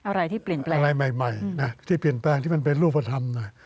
อะไรที่เปลี่ยนแปลงอะไรใหม่นะที่เปลี่ยนแปลงที่มันเป็นรูปธรรมหน่อย